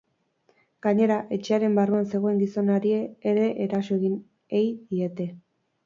Gainera, etxearen barruan zegoen gizonari ere eraso egin ei diete.